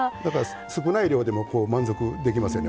少ない量でも満足できますよね。